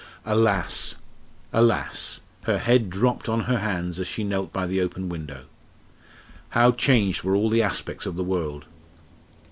Alas! alas! her head dropped on her hands as she knelt by the open window. How changed were all the aspects of the world!